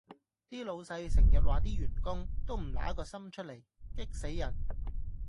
啲老細成日話啲員工：都唔挪個心出嚟，激死人